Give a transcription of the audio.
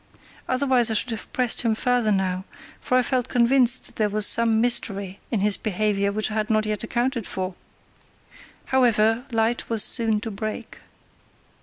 Otherwise I should have pressed him further now, for I felt convinced that there was some mystery in his behaviour which I had not yet accounted for. However, light was soon to break.